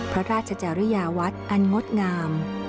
พระราชจริยาวัดอันงดงาม